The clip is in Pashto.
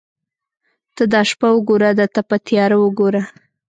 ته دا شپه وګوره دا تپه تیاره وګوره.